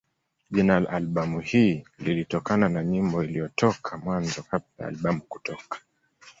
Jina la albamu hii lilitokana na nyimbo iliyotoka Mwanzo kabla ya albamu kutoka.